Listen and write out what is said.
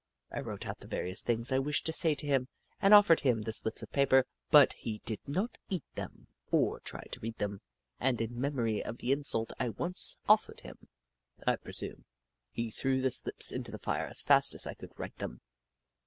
I wrote out the various things I wished to say to him and offered him the slips of paper, but he did not eat them or try to read them, and in memory of the insult I once offered him, I presume, he threw the slips into the fire as fast as I could write them.